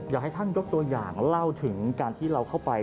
อยากให้ท่านยกตัวอย่างเล่าถึงการที่เราเข้าไป